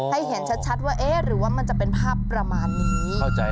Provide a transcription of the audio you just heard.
เห็นชัดว่าเอ๊ะหรือว่ามันจะเป็นภาพประมาณนี้